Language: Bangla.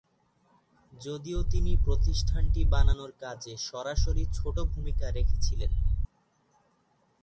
যদিও তিনি প্রতিষ্ঠানটি বানানোর কাজে সরাসরি ছোটো ভূমিকা রেখেছিলেন।